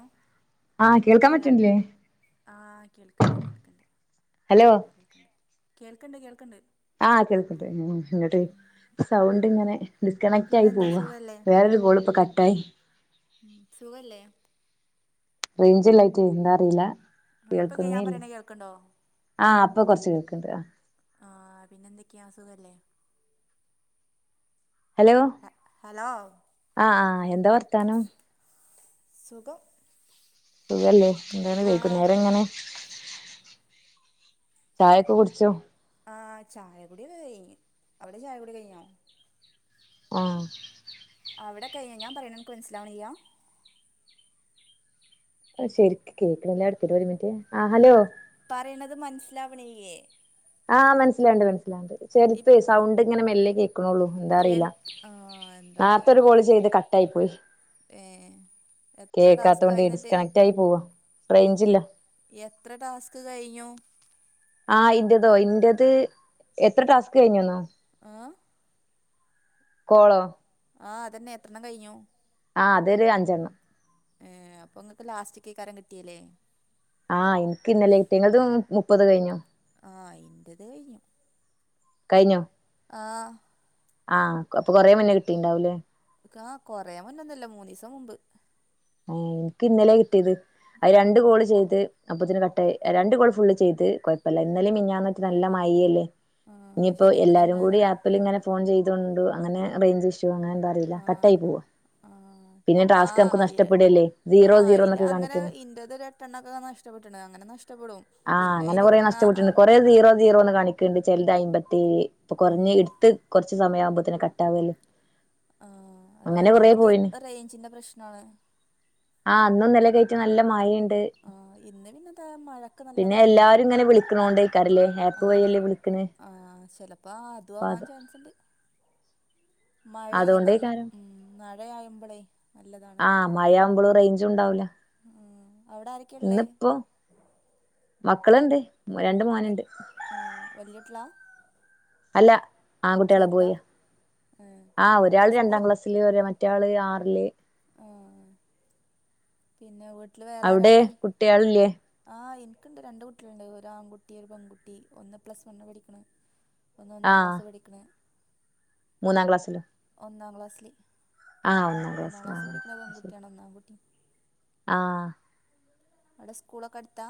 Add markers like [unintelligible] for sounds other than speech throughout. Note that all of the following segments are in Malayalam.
ഹിക് ആ കേൾക്കാൻ പറ്റിണില്ലേ ആഹ കേൾക്കണ്ട് കേൾക്കണ്ട് ഹലോ കറക്റ്റായി കേൾക്കണ്ട് കേൾക്കണ്ട് ആഹ് കേൾക്കണ്ട് എന്നിട്ട് സൗണ്ട് ഉം ഇങ്ങനെ ഡിസ്കണക്റ്റായി പിന്നെന്താ പോവാ സുഖല്ലേ വേറൊരു കോളിപ്പോ കട്ടായി മ് സുഖല്ലേ റൈഞ്ചില്ലയിറ്റ എന്താന്നറിയില്ല ഇപ്പൊ ഞാൻ കേൾക്കുന്നേയില്ല പറയണ കേൾക്കണ്ടോ ആ ഇപ്പൊ കൊറച്ച് കേൾക്ക്ണ്ട് ആ ആ പിന്നെന്തൊക്കെയാ അസുഖല്ലേ ഹലോ ഹ ഹലോ ആ ആ എന്താ വർത്താനം സുഖം സുഖല്ലേ എന്താണ് ആഹ് വൈക്കുന്നേരങ്ങനെ ചായൊക്കെ കുടിചു ആ ചായകുടിയൊക്കെ കഴിഞ്ഞ് അവിടെ ചായകുടി കഴിഞ്ഞോ ആ അവിടെകഴിഞ്ഞോഞാൻ പറയുന്നത് അക്ക് മനസിലാവുന്നില്ല അത് ശരിക്ക്‌ കേക്കണില്ല അത് എടുത്തിട് വ ഒരുമിറ്റ് ആ ഹലോ പറയണത് മനസ്സിലാവണില്ലേ ആ മനസ്സിലാവ്ണ്ട് മനസ്സിലാവ്ണ്ട് ഇ ചെറപ്പെ സൗണ്ടിങ്ങനെ മെല്ലെ കേക്കണുള്ളൂ കേൾ എന്താന്നറിയില്ല ആ എന്താവോ നേർത്തെ ഒരു കോള് ചെയ്ത് ക കട്ടായി പോയി ഏ എത്ര കേക്കാത്തോണ്ടെ ടാസ്കായി എന്നിട്ട് ഡിസ്കണക്റ്റായി പോവാ റൈഞ്ചില്ല എത്ര ടാസ്ക് കഴിഞ്ഞു ആ ഇന്റേതോ ഇന്റത് എത്ര ടാസ്ക് കഴിഞ്ഞുന്നോ ആഹ് കോളോ ആ അതെന്നെ എത്രണ്ണം കഴിഞ്ഞു ആ അതൊരു അഞ്ചെണ്ണം ഏ അപ്പോ നിങ്ങൾക്ക് ലാസ്റ്റ്ക്ക്കാരം കിട്ടിയല്ലേ ആ എനിക്ക് ഇന്നലെ കിട്ടിയേ ഇങ്ങളത് മുപ്പത് കഴിഞ്ഞോ ആ ഇന്റത് കഴിഞ്ഞു കഴിഞ്ഞോ ആ ആ അപ്പൊ കൊറേമുന്നേ കിട്ടിയിട്ടുണ്ടാവൂലേ ആ കൊറേമുന്നൊന്നല്ല മൂന്നീസംമുമ്പ് ഒ ക്ക് ഇന്നലെ കിട്ടിയത് അയിൽ രണ്ട് കോള് ചെയ്ത് അപ്പൊത്തന്നെ കട്ടായി രണ്ടുകോള്ഫുള്ള് ചെയ്ത് കൊയപ്പില്ല ഇന്നലെയും മെനി ഞ്ഞാന്നായിട്ട് നല്ല മഴയല്ലേ ആ ഇനിയിപ്പോ ശരി ഇന്നലെ എല്ലാരും കൂടി മിനിഞ്ഞാന്ന് ആപ്പിൽ ഇങ്ങനെ ഫോൺ ചെയ്തൊണ്ട് അങ്ങനെ റേഞ്ചിഷോ അങ്ങനെ എന്തോ അറിയില്ല ആ കട്ടായി പോവാ പിന്നെ ആ ആ ടാസ്ക് നമുക്ക് നഷ്ട ആ അയില് അങ്ങനെ ഇന്റത് എട്ടെണ്ണൊക്കെ നഷ്ടപ്പെട്ടണ് അങ്ങനെ നഷ്ടപ്പെടും ആ പിന്നെ അങ്ങനെ അയില് കുറെ കിട്ടണ ആ നഷ്ടപ്പെട്ടിണ് കുറേ സീറോ സീറോന്ന് കാണിക്കണ്ട് ചെലത് അയിമ്പ ഏഴ് ഇപ്പൊ ഉം കുറഞ്ഞഎടുത്ത് കുറച്ച് സമയാവുമ്പോത്തന്നെ കാട്ടാവല്ലെ ആ അതൊന്നാമത് പോയിന് റേഞ്ചിന്റെ പ്രശ്നാണ് ആ ഇന്നുന്നലെക്കെയായിട്ട് നല്ല മഴയുണ്ട് ആ ഇന്നലി തന്നെ മഴ എനിക്ക് നല്ല കമ്മിണ്ട് എല്ലാരും ഇങ്ങനെ വിളിക്ക്ണോണ്ടേക്കാരല്ലേ ആപ്പ് ആ വഴിയല്ലേ വിളിക്ക്ണ് ആ ചെല അ അ അപ്പൊ തുവാൻ ചാൻസുണ്ട് നല്ല അതുകൊണ്ടേയികാരം ഉം മഴയായുമ്പളേ നല്ലതാണ് ആഹ് മഴ ആവുമ്പോള് റൈഞ്ച ഉണ്ടാവൂല്ല [unintelligible] അവടെ ആരക്കെ ഇള്ളേ മക്കള്ണ്ട് രണ്ട് വീട്ടിൽ മോന്ണ്ട് ആഹ് വല്യ കൂട്ടി കള അല്ല ആൺകുട്ടികള് ചെറുതാ ബോയ്യ ഏഹ് ആഹ് ഒരാൾ സ്കൂള് രണ്ടാക്ലാസ് വല്യവര് മറ്റെള് ആറില് ആഹ് പിന്നെ വീട്ടിൽവര് അവിടെ കുട്ട്യാളില്ലെ ആഹ് ഇനിക്ണ്ട് രണ്ട് കുട്ട്യാളുണ്ട് ഒരു ആൺകുട്ടി ഒരു പെൺകുട്ടി ഒന്ന് പ്ലസ് വണ്ണ് പഠിക്ക്ണ് ഒന്ന് ഒന്നാ ക്ലാസ് പഠിക്ക്ണ മൂന്നാ ക്ലാസിലൊ ഒന്നാം ക്ലാസ്സില് ഒന്നാം ക്ലാസ് പഠിക്ണ പെൺകുട്ടിയാണ് ഒന്നാ ആണ്കുട്ടി ആഹ് ആടെ സ്കൂളോ ക്കെ അടുത്ത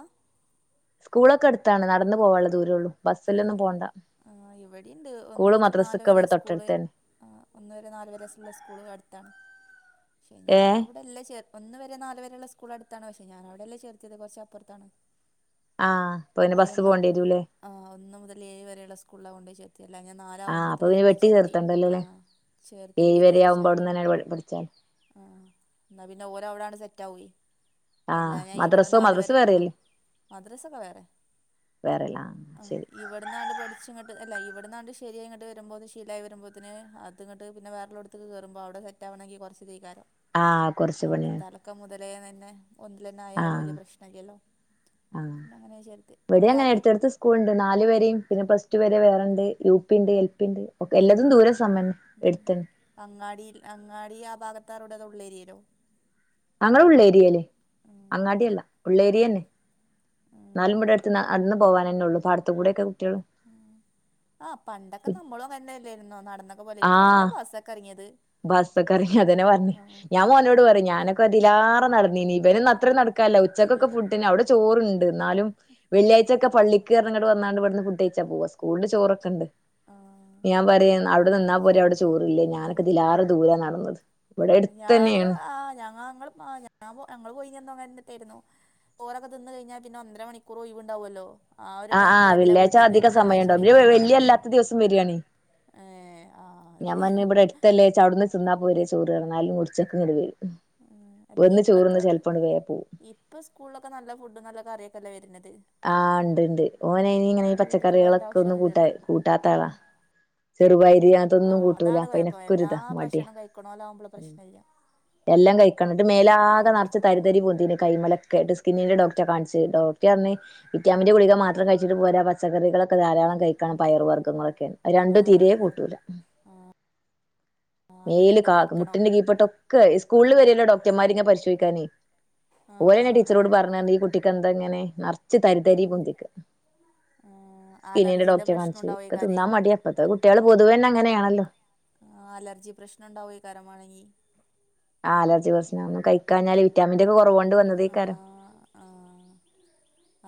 സ്കൂളൊക്കെ അടുത്താണ് നടന്ന് പോകാനുള്ള ദൂരേള്ളൂ എഹ് ആ ഇവിടീണ്ട് ഒന്ന് സ്കൂള് മുതൽ നാല് മദ്രസൊക്കെ വരെ ഇവിടെ സ്കൂള് തൊട്ടടുത്തന്നെ ആഹ് ഒന്ന് വരെ നാല് വരെള്ള സ്കൂള് അടുത്താണ് പക്ഷെ ഞാൻ ഏഹ് അവടെല്ലാം ചേർ ഒന്ന് വരെ നാല് വരെള്ള സ്കൂളടുത്താണ് പക്ഷെ ഞാന അവിടെല്ലേ ചേർതിയത് കോറച്ച് അപ്പറത്താണ് ആഹ് ഓന് ബസ്സ് പോണ്ടെരുലെ ആഹ് ഒന്ന് മുതൽ ഏഴ് വരെള്ള സ്കൂളിലാ കൊണ്ടയി ചേർ ല്ല ഞാൻ ആഹ് അപ്പൊ നാലാവുമ്പോത്തിന് പിന്നെ വെട്ടി വെട്ടിച്ചേർത്തി ചേർത്തണ്ടല്ലോല്ലേ ആഹ് ഏഴ് ചേർത്തേണ്ടിരു വരെ ആവുമ്പോ വിചാരിച്ചാണ്ട് അവിടന്നന്നെ പഠിച്ചാൽ ആഹ് ഇന്നാ പിന്നെ ഓരവടെങ്ങട്ട് സെറ്റ ആവുയ് ആഹ് എല്ലാഞ്ഞാൽ ഇവിടെ മദ്രസോ നാല് മദ്രസ വരെ ആഹ് വേറെയല്ലേ മദ്രസോക്കെ വേറെ വെറെല്ലാം ആഹ് ഇവട് ഇവിടന്നാണ്ട് പഠിച്ചിങ്‌ട്ട് അല്ല ഇവിടുന്നാണ്ട് ശരിയിങ്ങിട്ട് വരുമ്പോ ശീലായി വരുമ്പോത്തിന് അത്ങ്ട്ട് പിന്നെ വേറെ കേറുമ്പോ അവടെ സെറ്റാ ആവണങ്കിൽ കൊറച്ച് തെകാരം ആഹ് കുറച്ച് ആപ്പൊ പണിയാണ് തലക്കം മുതലേ തന്നെ ഒന്നിലന്നെ ആയാല് ആഹ് വലിയ പ്രശ്നല്ലല്ലോ പിന്നെ അങ്ങനെ ചേർത്ത് രാത്രി സ്കൂണ്ട് നാല് വാരീം പിന്നെ പ്ലസ് ടു വരെ വേറെണ്ട് യു പി ണ്ട് എൽ പിണ്ട് ഓക്കെ എല്ലതും ദൂരെ സമം എടുത്തണ് അങ്ങാടി അങ്ങാടി ആ ഭാഗത്താറോടെത ഉള്ളേരീല്ലോ അങ്ങൾ ഉള്ളേരിയൽ ഉം അങ്ങാട്യല്ല ഉം ഉള്ളേരിയന്നെ ഉം നാലും ബടട്ത്ത്ന്ന് നടുന്ന് പോവാനെന്നോള്ളു പാടത്തുകൂടെക്കെ കുട്യള് ആഹ് പണ്ടൊക്കെ നമ്മളും അങ്ങനെയല്ലായിരുന്നോ നടന്നൊക്കെ പോകല് ഇപ്പളല്ലേ ബസൊക്കെ ഇറങ്ങിയത് ബസ്സോക്കേർങ്ങി അതേനേ വന്ന് ഞാൻമോനോട് പറിം ഞാനൊക്കെ ഇതിലേറെ നടന്നിനി ഇബ്നിന്ന് അത്ര നടക്കാല്ല ഉച്ചക്കൊക്കെ ഇല്ല ഫുഡിന് അവിടെ ചോറ്ണ്ട് ഇന്നാലും വെള്ളിയാഴ്ച്ചക്കെ പള്ളി ക്ക്ർങ്‌ങ്ട്ട് ‌ വന്നാണ്ട് ഇവിടുന്ന് ഫുഡൈച്ചാ പോക സ്കൂളില് ചോറൊക്കെണ്ട് ആ ഞാൻ പറിം അവിടെ നിന്നപോ രവടെ ചോറില്ലേ ഞാനൊക്ക ഇതിലാറ് ദൂരാ നടന്ന് ണ് ആഹ് ഞാന് ആ ഞങ്ങള് പാഞ്ഞ ഞാ പോ ഞങ്ങള് പോയിനന്ന് അങ്ങിനതന്നെ യിരുന്നു ചോരൊക്കെ തിന്ന് കഴിഞ്ഞാൽ പിന്നെ ഒന്നര മണിക്കൂർ ഒയിവുണ്ടാവോല്ലോ ആഹ് ആ വെള്ളിയാഴ്ച അധികം സമയംണ്ടാവും ബല് വെള്ളി കൂട്ടിക്കാണ്ടൊക്കെ അല്ലാത്ത ദിവസം വെര്യണ് ഏ ആ ഞാൻ ശരിയാ പറഞ് ഇബടെ എടുത്തല്ലേ ച്ച് വ്ട്ന്ന് തിന്നാപോരെ ചോറ് ഇന്നാലും ഉച്ചക് ഇങ്‌ട് വരും ഉം ബ്ട്ന്ന് ചോറ്ന്ന് ചെലപ്പോങ്‌ട് വേ പോവും ഇപ്പ സ്കൂളിലൊക്കെ നല്ല ഫുഡും നല്ല കറിയൊക്കെ അല്ലേ വരുന്നത് ആഹ് ഇണ്ട് ഇണ്ട് ഓനയ് നിങ്ങനെ അങ്ങനെ വീട്ടിക്ക് പോകേണ്ട പച്ചക്കറികളൊക്കെ ഒന്നും കൂട്ടാ ആവശ്യമൊന്നുമില്ലല്ലോ ആ കൂട്ടാതാളാ ചെറുപയിരി ആ അതോന്നും കൂട്ടൂല അതാണ് അപ്പൊ കുഴപ്പം അയ്നോക്കരിത എല്ലാ ഇതാ മട്യ ഭക്ഷണം കഴിക്കണോലാവുമ്പോൾ പ്രശ്നമില്ല എല്ലാം കഴിക്കണം ത് ആ മേലാകെ നറച്ച് തര് തരി പൊന്തീണ് കൈമലക്ക ഡി സ്കിന്നിന്റെ ഡോക്റ്റേ കാണിച്ച് ഡോക്റ്റർഞ്ഞി വിറ്റാമിന്റെ ഗുളിക മാത്രം കഴിച്ചിട്ട് പോരാ പച്ചക്കറികളൊക്കെ ധാരാളം കഴിക്കണം പയർ വർഗങ്ങളൊക്കെ ആ രണ്ടു തീര ശരി കൂട്ടൂല ആ അത് മേയില് രണ്ട് ക ആക്കണം മുട്ടിന്റെ കീപ്പട്ടൊ സ്കൂള്ള് വരൊല്ലോ ഡോകറ്റമാര് ഇങ്ങനെ പരിശോയ്ക്കാന് ആ ഓലയിന് ആ ടീച്ചറോട് ആ പറഞ്ഞാർഞ്ഞി ഈ കു ട്ടിക്കന്താ ഇങ്ങനെ ന ച്ച് തരി തരി പൊന്തിക്ക സ്കിന്നിന്റെ അലർജീന്റെ ഡോക്റ്റേ പ്രശ്നം കാണിച്ച് ക്കെ ഉണ്ടാവേക്കാരേ തിന്നാം മടിയ ഇപ്പത്തെ കുട്ട്യള് പൊതുവെന്നെ അങ്ങനെയാണല്ലോ. ആഹ് അലർജി പ്രശ്നംണ്ടാവേ കരം വാണങ്കി. ആഹ് അലർജി പ്രശ്ന ഒന്നും കഴിക്കാഞ്ഞാല് വിറ്റാമിന്റൊക്കെ കൊറവോണ്ട് വന്നതേയ്ക്കാരം. ആഹ്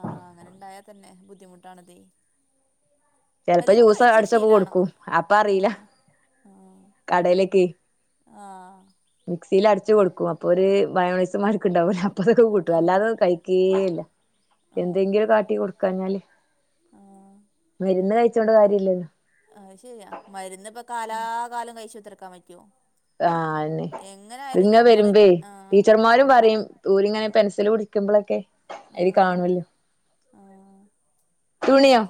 ആഹ് അങ്ങനെണ്ടായാ തന്നെ ബുദ്ധിമുട്ടാണതേ. ചെലപ്പ എല്ലാം ജ്യൂസ കഴിച്ച് അടിച്ചൊക്കെ ശീലാണം കൊടുക്കും, അപ്പ ആ അറീല കടെലേക്ക്. ആഹ് മിക്സിയില് അടിച്ച് കൊടുക്കും അപ്പോ ഒരു മയോണയ്സ്മാരിക്ക് ഇണ്ടാവുല്ലേ അപ്പതൊക്കെ കൂട്ടും, ആ അല്ലാതെ കഴി ക്കേല്ല ആ എന്തെങ്കിലും കാട്ടി കൊടുക്കാഞ്ഞാല്. ആ മരുന്ന് കഴിച്ചോണ്ട് കാര്യല്ലല്ലോ. അയ്ശെരിയാ മരുന്ന് ഇപ്പ കാലാകാലം കഴിച്ചുത്തറക്കാൻ പറ്റോ. ആഹ് അന്നെ പിന്നേ ഞമ്മള് വെരുമ്പേ ആ ടീച്ചർമാരും പറയും തൂരിങ്ങാന പെൻസില് പിടിക്കുമ്പളൊക്കെ ആ അയില് കാണുവല്ലോ. ആ അത് തുണിയോ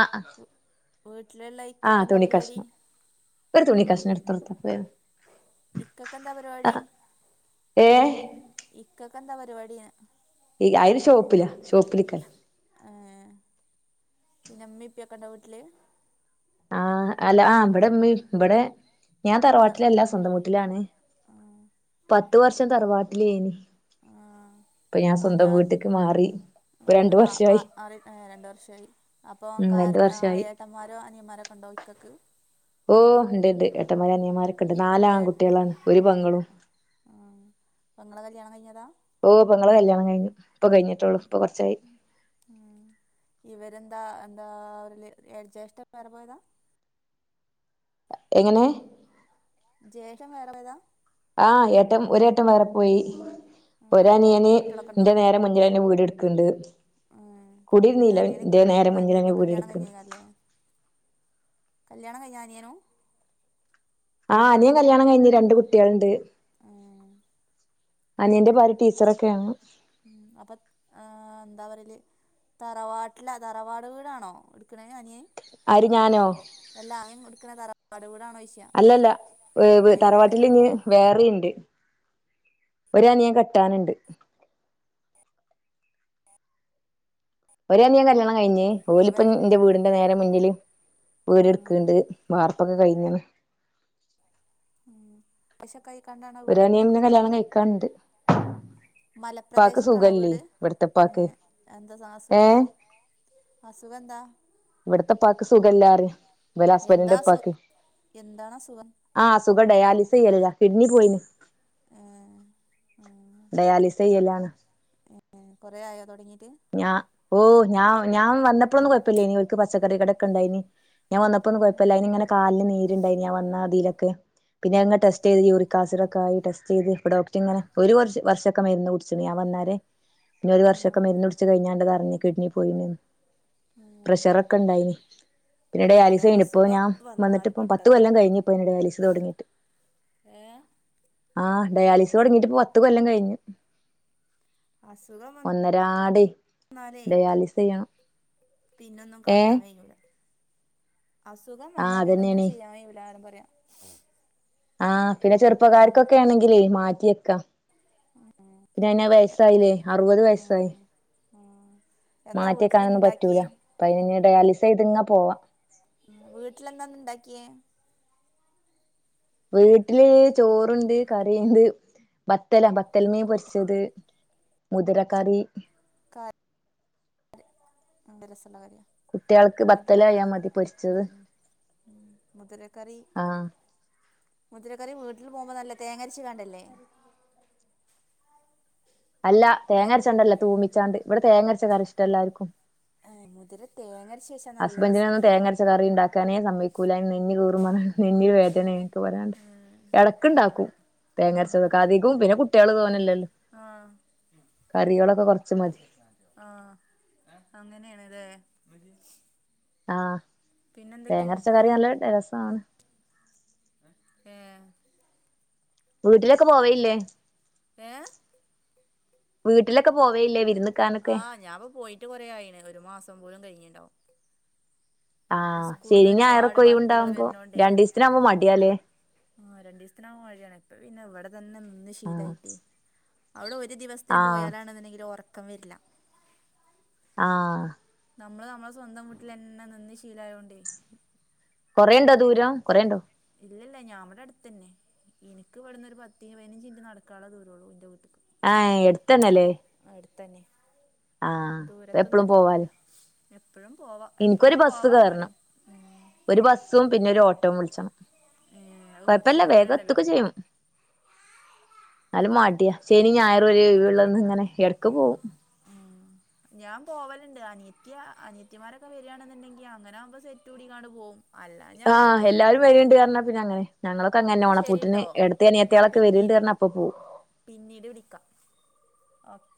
ആഹ് ആഹ് വീട്ടിലിള്ളേയ് ആഹ് തുണികഷ്ണം, ഒരു തുണി കഷ്ണം എട്ത്ത് [unintelligible] പോയോ ഇക്കക്ക് എന്താ പരിപാടി? ഏഹ് ഇക്കക്ക് എന്താ പരിപാടീന്ന്? ഈ അയാള് ഷോപ്പില ഷോപ്പിലിക്കല. ഏഹ് പിന്നെ ഇമ്മീ ഇപ്പി ഒക്കെ ഉണ്ടോ വീട്ടില്. ആഹ് അല്ല ആഹ് ഇവടെ ഉമ്മി ഇവടെ ഞാൻ ത തറവാട്ടിലല്ല, സ്വന്തം വീട്ടിലാണ്, ആഹ് പത്ത് വർഷം തറവാട്ടിലേനി. ആഹ് ഇപ്പ ഞാൻ സ്വന്തം വീട്ടിക്ക് മാറി. ഇപ്പൊ ആ രണ്ട് വ മ വർഷായി മാറി ഏ രണ്ട് വർഷായി അപ്പോ ഉം കാര രണ്ട് ആഹ് വർഷായി ഏഹ് ട്ടന്മാരോ അനിയന്മാരൊക്കെണ്ടോ ഇക്കക്ക്. ഓ ഇണ്ട് ഇണ്ട് എട്ടന്മാര് അനിയന്മാരൊക്കെ ഇണ്ട്, നാല് ഏ ആൺകുട്ടികളാണ്, ഒരു പെങ്ങളും. ആഹ് പെങ്ങളെ കല്യാണം കഴിഞ്ഞതാ? ഓ പെങ്ങളെ കല്യാണം കഴിഞ്ഞു ഇപ്പ കഴിഞ്ഞിട്ടൊള്ളു ഇപ്പ കൊറച്ചായി. മ് ഇവരെന്താ എന്താ [unintelligible] ഏഹ് ജേഷ്ട്ടൻ വേറെ പോയതാ? എങ്ങനെ? ജേഷ്ടൻ വേറെ പോയതാ? ആഹ് ഏട്ടൻ ഒരേട്ടൻ വേറെ പോയി, ആഹ് അവർക്ക് ഒരനിയന് കുട്ടികളൊക്കെ ഉണ്ടോ ഇന്റെ നേരെ മുന്നിലെന്നേ വീട് എട് ക്ക്ണ്ട് ഏഹ് കുടിന്നീല്ല അനിയന് ന്റെ നേരെ മുന്നിലന്നേ അനിയനും വീട് കല്യാണം എട്ക്ക്ന്ന്. കഴിഞ്ഞേക്കാരല്ലേ കല്യാണം കഴിഞ്ഞാ അനിയനും? ആഹ് അനിയൻ കല്യാണം കഴിഞ്ഞ് രണ്ട് കുട്ട്യളിണ്ട്. ഏഹ് അനിയന്റെ ഭാര്യ ടീച്ചറൊക്കെ ആണ്. മ് അപ്പ ആ ന്താ പറയല് തറവാട്ടില തറവാട് വീടാണോ ഇട്ക്ക്ണേ അനിയൻ? ആര് ഞാനോ? എല്ല [unintelligible] ഇട്ക്ക്ണേ തറവാട് വീടാണോ ചോയ് അല്ലല്ല വ് വ് തറവാട് [unintelligible] വേറെ ഇണ്ട് ഒരനിയൻ കെട്ടാന്ണ്ട്. ഒരനിയൻ കല്യാണം കഴിഞ്ഞ് ഓലിപ്പ വേറെ ഞ്ഞ് ന്റെ വീടി ന്റെ നേരെ മുന്നില് വീട് ഉം എട്ക്ക്ണ്ട് വാർപ്പൊക്കെ കഴിഞ്ഞിണ്. മ് പക്ഷേ കയിക്കാണ്ടാണാ വീട് ഒരനിയൻ എട്ക്കണെ? കല്യാണം കയ്ക്കാണ്ട്. ഉപ്പാക്ക് മലപ്രദേശക്കാണോ സുഖല്ലേ വീട് ഇവ്ട്ത്തെ ഏ ഉപ്പാക്ക് ഏഹ് അസുഖന്താ? ഇവ്ട്ത്തെപ്പാക്ക് സുഖല്ലാറിഞ്ഞ് ഇബല എന്താ ഹസ്ബന്റിന്റെ അസു ഇപ്പാക്ക്. എന്താണ് അസുഖം? ആഹ് സുഖം ഡയാലിസെയ്യല് ല കിഡ്നി പോയിന് ഏഹ് ഏഹ് ഡയാലിസ് ചെയ്യലാണ് ഏഹ് കൊറേ ആയോ തൊടങ്ങീട്ട് ഞാ ഓഹ് ഞാ ഞാം വന്നപ്പളൊന്നും കൊയപ്പലോനി ഓൽക്ക് പച്ചക്കറി കടക്കെ ണ്ടായീനി. ഞാം വന്നപ്പൊന്നും കൊയപ്പല്ല. ഉം അയ്ന്ങ്ങനെ കാലില് നീര്ണ്ടായീനി ഞാൻ വന്നാതീലൊക്കെ പിന്നെ ഞാൻ അങ് ടെസ്റ്റ് ചെയ്ത് യൂറിക്കാസിടക്കായി ടെസ്റ്റ് ചെയ്ത് ഇപ്പ ഡോക്ടറിങ്ങനെ ഒരു വർ വർഷൊക്കെ മര്ന്ന് കുടിച്ച്ണ് ഞാം വന്നേരെ പിന്നൊര് വർഷൊക്കെ ഉം മര്ന്നുടിച്ച് കഴിഞ്ഞാണ്ട് തറിഞ്ഞ് കിഡ്നി പോയിന്ന് ഉം പ്രഷറ ക്കണ്ടയ്നി പിന്നെ ഓരോ ഡയാലീസെയ്നു ഇപ്പോ അസുഖം ഞാം വന്നാല് വന്ന്ട്ട്പ്പൊ പത്ത് കൊല്ലം പെട്ടതന്നെ കൈഞ്ഞ്പ്പൊ ഡയാലീസ് തൊടങ്ങീട്ട് ഏഹ് ആഹ് ഡയാലീസ് തൊടങ്ങിട്ട് പ്പൊ പത്ത് കൊല്ലം കഴിഞ്ഞ്. അസുഖം ഒന്നരാടേയ് വന്നാലേ ഡയാലിസ് ചെയ്യണം. പിന്നൊന്നും ഏഹ് കാട്ടാം കയ്യൂല അസുഖം വന്നാ ആഹ് പിന്നൊന്നും അതന്നെയാണേ ചെയ്യാം കയ്യൂലാന്ന് പറയാ ആഹ് പിന്നെ ഉം ചെർപ്പക്കാര്ക്കൊക്കെണെങ്കിലെ മാറ്റ്യേക്കാ പിന്നെ അയ്നത് വയസ്സായിലെ അർവത് വയസ്സായി. ഉം എന്താ വീട്ടിലിന്ന് മാറ്റ്യേക്കാനൊന്നും പറ്റൂല. ഇണ്ടാക്കിയേ അപൈന് ഡയാലിസെയ്ത്ങ്ങ പോവാ ഉം വീട്ട്ലെന്താന്ന്ണ്ടാക്ക്യേ? വീട്ട്ല് ചോറ്ണ്ട് കറിണ്ട് ബത്തലാ ബത്തൽമീം പൊരിച്ചത് മുതരക്കറി ക്കറി നല്ല രസള്ള കറി കുട്ടികൾക്ക് വീട്ടിലോവുമ്പം ബത്തലായാൽ മതി ഉം പൊരിച്ചത് ഉം മുതിരക്കറി ആഹ് മുതിരക്കറി വീട്ടിൽ പോകുമ്പോല്ലേ തേങ്ങരച്ച്ങ്ങാണ്ടല്ലേ അല്ല തേങ്ങരച്ചാണ്ടല്ല തൂമിച്ചാണ്ട് ഇവടെ തേങ്ങരച്ച കറി ഇഷ്ടം എല്ലാർക്കും ആഹ് മുതിരത് തേങ്ങരച്ച് വെച്ചാ നല്ല ഹസ്ബന്റിനൊന്നും രസാണല്ലോ തേങ്ങരച്ച് ക്കറി ണ്ടാക്കാനേ സമ്മയ്ക്കൂല അയിന് നെഞ്നീറും പറഞ്ങ്ങാണ്ട് നെഞ് വേദനേ ഒക്കെ പറ് പർഞ്ഞ്ങ്ങാണ്ട് എടക്ക് ണ്ടാക്കും തേങ്ങരച്ചതക്കെ അധികും പിന്നെ കുട്ട്യാള് തോനെല്ലല്ലോ ആഹ് കറികളൊക്കെ കൊർച്ച് ആഹ് അങ്ങനേണ്ലെ ആഹ് തേങ്ങരച്ചകറി നല്ല രസാണ് ഏഹ് വീട്ട്ലൊക്കെ പോവേല്ലേ? ഏഹ് വീട്ട്ലൊക്കെ പോവലില്ലെ വി ആഹ് ഞാപ്പോ പോയിട്ട് കൊറേ ആയിണ് ഒര്മാസം പോലും കഴിഞ്ഞീണ്ടാവും. ഇപ്പ ആഹ് സ്കൂൾന്ന് ശനിം ഒരുപാട് ഞായറൊക്കെ വർക്ക്കൾ ഒഴിവുണ്ടാവുമ്പോ വര്ന്നോണ്ടേ രണ്ടീസത്തിനാവുമ്പോ മടിയാലേ ആഹ് രണ്ടീസ്ത്തിന് വുമ്പംമടിയാണ് ഇപ്പ പിന്നെ ഇവടെ തന്നെ നിന്ന് ആഹ് ശീലായിട്ടേ അവടെ ഒര് ദിവസത്തിന് ആഹ് പോയാലാണ്ന്ന്ണ്ടെങ്കിൽ ഒറക്കം വെര്ല്ല ആഹ് നമ്മള് നമ്മളെ സ്വന്തം വീട്ട്ലെന്നെ നിന്ന് ശീലായോണ്ടേ കൊറേണ്ടോ ദൂരം കൊറേണ്ടോ? ഇല്ലല്ല ഞാം വടെ അട്ത്തന്നെ എനിക്ക് ഇവിടന്ന്ഒരു പത്തി പതിനഞ്ചിറ്റ് നടക്കാള്ളദൂരള്ളൂ എന്റെ വീട്ട്ക്ക് ആഹ എടുത്തന്നല്ലേ അ എടുത്തന്നെ ആഹ് എപ്പളും ദൂരത്തൊന്നല്ല പോവാലോ എപ്പോഴും പോവാ എപ്പോഴും ഇൻക്കൊരു ബസ്സ് പോവാന്ന് കേറണം പറയും ഉം ഒരു ബസ്സും പിന്നെ ഒരു ഓട്ടോവും വിളിച്ചണം ഏഹ് അത് കൊഴപ്പല്ല കൊറച്ച് വേഗത്തക്ക ദൂരണ്ടല്ലോ ചെയ്യും എന്നാലുംമടി യാ ശനി ഞായർഒരു ഒഴിവുള്ളത് ഇങ്ങനെ ഇടക്ക് പോവും ഞാൻ പോവലുണ്ട് അനിയത്തിയ അനിയത്തിയമാരൊക്കെ വരിയാണെന്നുണ്ടെങ്കി അങ്ങനൊവുമ്പോ സെറ്റ് കൂടി ങ്ങ പോവും അല്ല ഞാൻ ആഹ് മടിയാ എല്ലാരും വരണ്ട്ന്ന് പഞ്ഞാ പിന്നെ അങ്ങനെ ഞങ്ങളൊക്കെ എന്നാൽ അങ്ങനെഓണ പൂട്ടിന് ശരിട്ടോ ഏടത്തി ഞാൻ അനിയത്തിയാളൊക്കെ പിന്നീ വരണ്ട് പറഞ്ഞഅപ്പൊ പോവും പിന്നീട് വിളിക്കാം ഓക്കെ